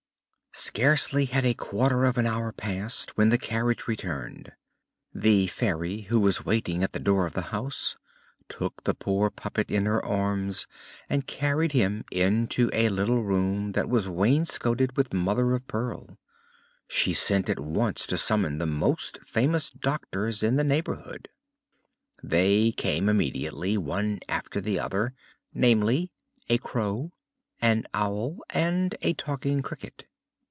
Scarcely had a quarter of an hour passed, when the carriage returned. The Fairy, who was waiting at the door of the house, took the poor puppet in her arms and carried him into a little room that was wainscoted with mother of pearl. She sent at once to summon the most famous doctors in the neighborhood. They came immediately, one after the other: namely, a Crow, an Owl, and a Talking Cricket.